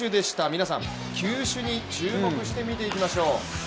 皆さん、球種に注目して見ていきましょう。